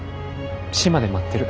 島で待ってる。